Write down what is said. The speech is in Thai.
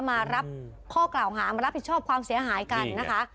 มารับข้อกล่าวหามารับผิดชอบความเสียหายกันนะคะ